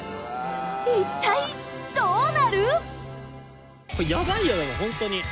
一体どうなる？